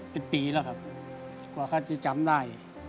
เป็นปีแล้วครับกว่าเขาจะจำได้